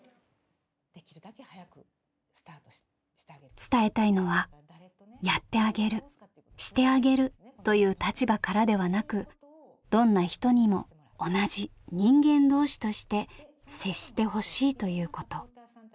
伝えたいのは「やってあげるしてあげる」という立場からではなくどんな人にも同じ人間同士として接してほしいということ。